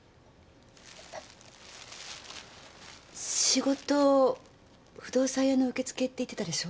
仕事不動産屋の受付って言ってたでしょ。